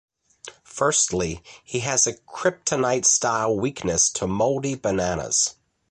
Firstly, he has a kryptonite-style weakness to mouldy bananas.